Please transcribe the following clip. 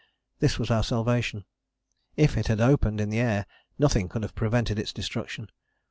This was our salvation. If it had opened in the air nothing could have prevented its destruction.